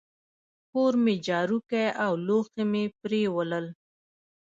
کور مي جارو کی او لوښي مي پرېولل.